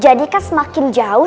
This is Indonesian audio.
jadi kan semakin jauh